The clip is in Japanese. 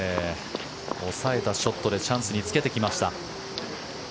抑えたショットでチャンスにつけてきました。